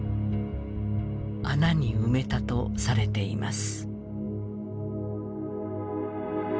穴に埋めたとされています。